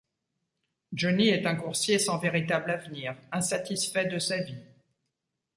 Jonny est un coursier sans véritable avenir, insatisfait de sa vie.